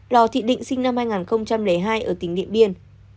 lò thị định sinh năm hai nghìn hai ở tỉnh điện biên